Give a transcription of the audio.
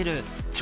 超